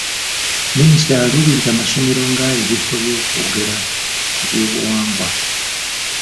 Minisita yaluubirira masomero nga ebifo eby'okwogera ku byobuwangwa.